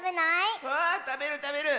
わあたべるたべる！